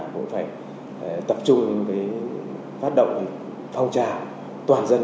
cũng phải tập trung phát động phòng trào toàn dân